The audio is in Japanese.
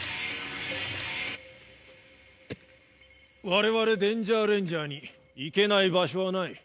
我々デンジャーレンジャーに行けない場所はない。